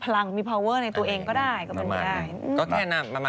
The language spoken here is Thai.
แล้วคุณแม่อ่ะ